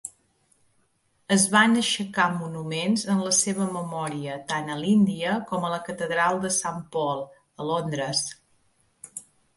Es van aixecar monuments en la seva memòria tant a l'Índia com a la Catedral de St. Paul, a Londres.